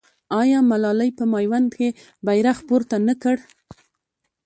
آیا ملالۍ په میوند کې بیرغ پورته نه کړ؟